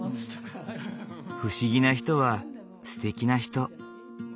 不思議な人はすてきな人。